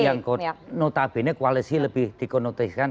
yang notabene koalisi lebih dikonotiskan